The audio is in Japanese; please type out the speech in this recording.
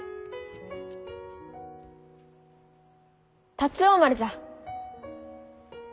龍王丸じゃ。